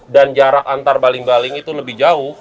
dan jarak antar baling baling itu lebih jauh